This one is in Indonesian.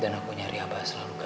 dan aku nyari abah selalu gagal